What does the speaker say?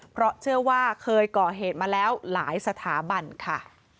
เพราะเชื่อว่าเคยก่อเหตุมาแล้วหลายสถาบันค่ะ